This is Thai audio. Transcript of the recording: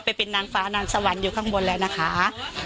ไปเป็นนางฟ้านางสวรรค์อยู่ข้างบนแล้วนะคะ